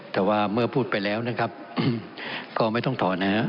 แต่ว่าเมื่อพูดไปแล้วนะครับก็ไม่ต้องถอนนะครับ